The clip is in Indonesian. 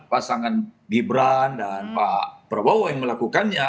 pasangan gibran dan pak prabowo yang melakukannya